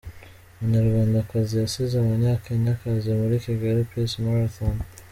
Umunyarwandakazi yasize abanyakenyakazi muri Kigali Peace Marathon .